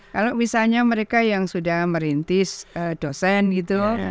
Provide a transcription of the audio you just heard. kalau misalnya mereka yang sudah merintis dosen gitu